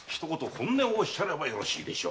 本音をおっしゃればよろしいでしょう。